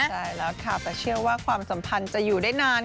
ใช่แล้วค่ะแต่เชื่อว่าความสัมพันธ์จะอยู่ได้นาน